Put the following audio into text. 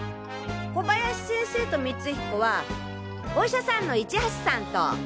小林先生と光彦はお医者さんの市橋さんと。